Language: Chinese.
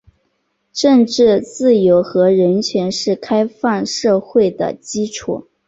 政治自由和人权是开放社会的基础。